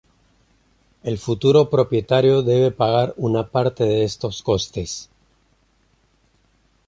El futuro propietario debe pagar una parte de estos costes.